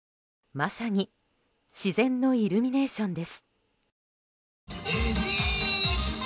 まさに自然のイルミネーションです。